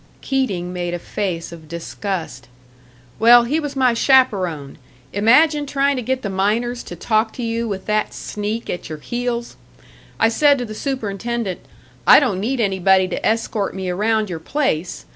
Keating made a face of disgust. "Well, he was my chaperon. Imagine trying to get the miners to talk to you with that sneak at your heels! I said to the superintendent, 'I don't need anybody to escort me around your place.'